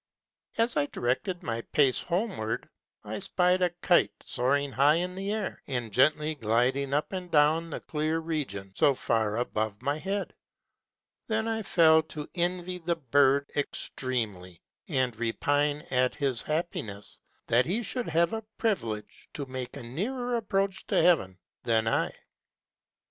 As I directed my pace homeward, I spied a Kite soaring high in the Air, and gently gliding up and down the clear Region so far above my head, that I fell to envy the Bird extremely, and repine at his happiness, that he should have a privilege to make a nearer approach to Heaven than I.